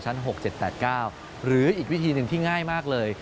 ๖๗๘๙หรืออีกวิธีหนึ่งที่ง่ายมากเลย